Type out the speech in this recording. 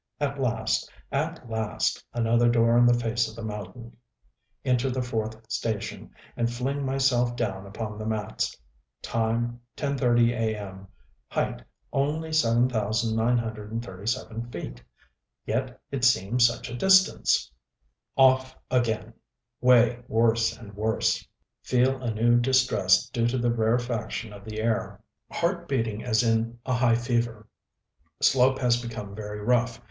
At last at last another door in the face of the mountain. Enter the fourth station, and fling myself down upon the mats. Time, 10:30 a. m. Height, only 7,937 feet; yet it seemed such a distance! Off again.... Way worse and worse.... Feel a new distress due to the rarefaction of the air. Heart beating as in a high fever.... Slope has become very rough.